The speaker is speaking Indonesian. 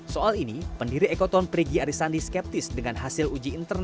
soal ini pendiri ekoton perigi arisandi skeptis dengan hasil uji yang tersebut